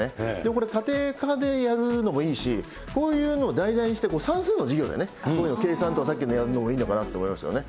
これ家庭科でやるのもいいし、こういうのを題材にして、算数の授業でね、計算とかさっきみたいにいいのかなと思いますよね。